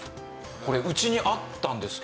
これうちにあったんですけど